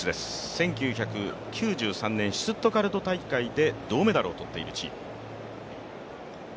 １９９３年シュツットガルト大会で銅メダルを取っているチーム。